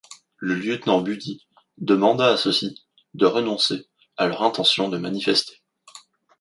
Le lieutenant Budi demanda à ceux-ci de renoncer à leur intention de manifester.